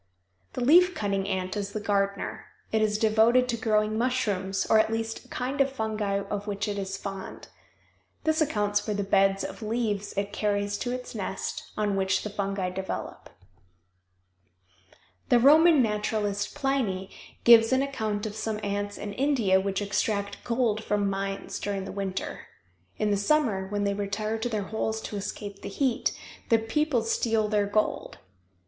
The leaf cutting ant is the gardener. It is devoted to growing mushrooms or at least a kind of fungi of which it is fond. This accounts for the beds of leaves it carries to its nest, on which the fungi develop. The Roman naturalist, Pliny, gives an account of some ants in India which extract gold from mines during the winter. In the summer, when they retire to their holes to escape the heat, the people steal their gold.